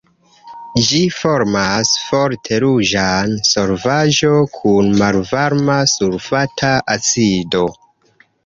Ĝi formas forte ruĝan solvaĵon kun malvarma sulfata acido.